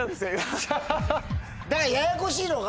だからややこしいのが。